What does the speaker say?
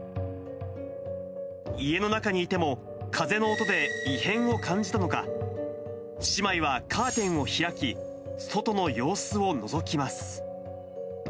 家の中にいても、風の音で異変を感じたのか、姉妹はカーテンを開き、外の様子をのぞきます。